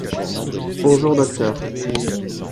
Bonjour, Docteur.